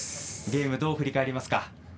ゲーム、どう振り返りますか？